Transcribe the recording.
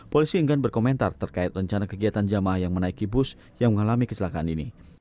polisi enggan berkomentar terkait rencana kegiatan jamaah yang menaiki bus yang mengalami kecelakaan ini